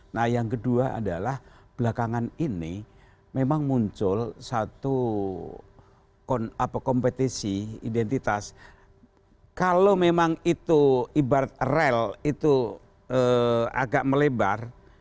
nah yang kedua adalah belakangan ini memang muncul satu kompetisi identitas kalau memang itu ibarat rel itu agak melebar